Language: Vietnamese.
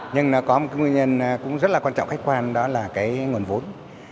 nhưng nó có một cái nguyên nhân cũng rất là quan trọng khách quan đó là cái nguồn vốn